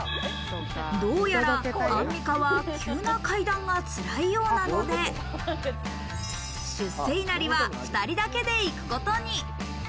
どうやらアンミカは急な階段がつらいようなので、出世稲荷は２人だけで行くことに。